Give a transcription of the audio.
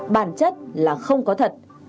bản chất là không có thật